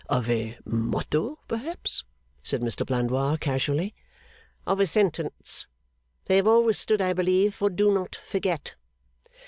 'Of a motto, perhaps,' said Mr Blandois, casually. 'Of a sentence. They have always stood, I believe, for Do Not Forget!